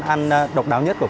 mình làm nước dừa thôi